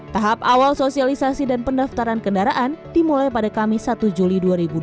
tahap awal sosialisasi dan pendaftaran kendaraan dimulai pada kamis satu juli dua ribu dua puluh